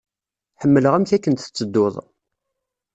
Ḥemmleɣ amek akken tettedduḍ.